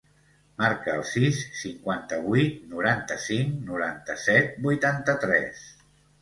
Marca el sis, cinquanta-vuit, noranta-cinc, noranta-set, vuitanta-tres.